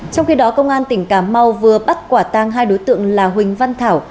trong khi đó công an tỉnh cà mau vừa bắt quả tang hai đối tượng là huỳnh văn thảo